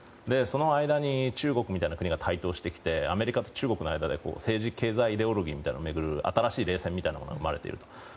その間に中国みたいな国が台頭してきてアメリカと中国の間で政治経済イデオロギーみたいなものを巡る新しい冷戦みたいなものが生まれている。